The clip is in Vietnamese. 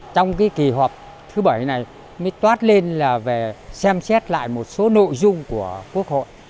trong kỳ họp thứ bảy này mới toát lên là về xem xét lại một số nội dung của quốc hội